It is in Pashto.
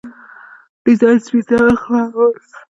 ډيزاين سپين سهار، خپروونکی پښتانه مترقي ليکوال.